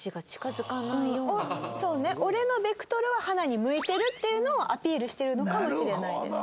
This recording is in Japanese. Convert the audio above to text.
そうね俺のベクトルは花に向いてるっていうのをアピールしてるのかもしれないです。